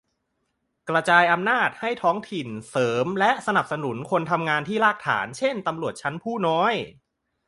- กระจายอำนาจให้ท้องถิ่น-เสริมและสนับสนุนคนทำงานที่ฐานราก เช่น ตำรวจชั้นผู้น้อย